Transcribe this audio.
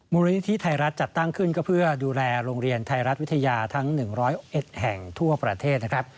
มูลนิธิไทยรัฐจัดตั้งขึ้นก็เพื่อดูแลโรงเรียนไทยรัฐวิทยาทั้ง๑๐๑แห่งทั่วประเทศนะครับ